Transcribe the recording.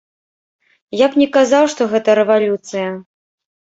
Я б не казаў, што гэта рэвалюцыя.